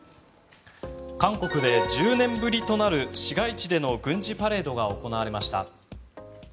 韓国で１０年ぶりとなる市街地での軍事パレードが行われました。